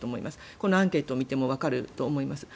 このアンケートを見てもわかると思います。